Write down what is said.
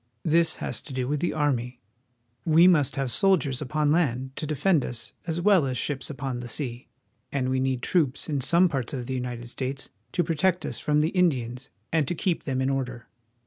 This has to do with the army. We must have soldiers upon land to defend us as well as ships upon the sea, and we need troops in some parts of the United States to protect us from the Indians and to keep them in order.